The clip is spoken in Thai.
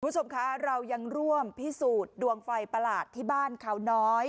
คุณผู้ชมคะเรายังร่วมพิสูจน์ดวงไฟประหลาดที่บ้านเขาน้อย